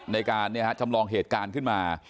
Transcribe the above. ในการจำลองเหตุการณ์ขึ้นมา